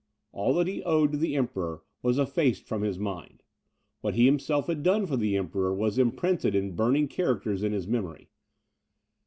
All that he owed to the Emperor was effaced from his mind; what he himself had done for the Emperor was imprinted in burning characters on his memory.